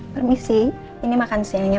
permisi ini makan siangnya